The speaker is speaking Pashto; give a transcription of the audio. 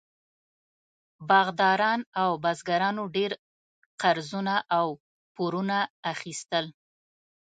باغداران او بزګرانو ډېر قرضونه او پورونه اخیستل.